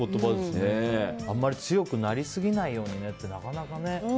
あまり強くなりすぎないようにってなかなかね。